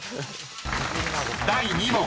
［第２問］